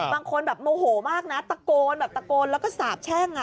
บางคนโมโหมากตะโกนแล้วก็สาบแช่ง